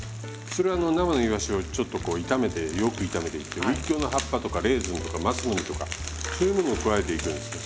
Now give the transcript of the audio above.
それは生のイワシをちょっとこう炒めてよく炒めてウイキョウの葉っぱとかレーズンとか松の実とかそういうものを加えていくんですよ。